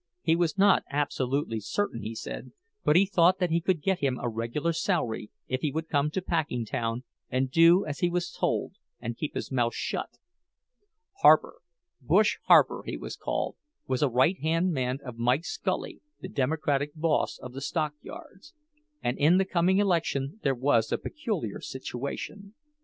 He was not absolutely certain, he said, but he thought that he could get him a regular salary if he would come to Packingtown and do as he was told, and keep his mouth shut. Harper—"Bush" Harper, he was called—was a right hand man of Mike Scully, the Democratic boss of the stockyards; and in the coming election there was a peculiar situation.